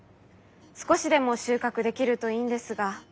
少しでも収穫できるといいんですが。